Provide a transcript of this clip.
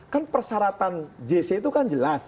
kan persyaratan jc itu kan jelas